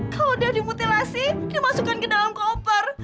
kalau udah dimutilasi dimasukkan ke dalam koper